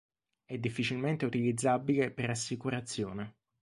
È difficilmente utilizzabile per assicurazione.